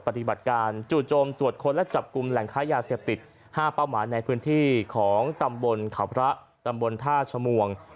ปฏิบัติการจู่โจมตรวจค้นและจับกลุ่มแหล่งค้ายาเสพติด๕เป้าหมายในพื้นที่ของตำบลเขาพระตำบลท่าชมวง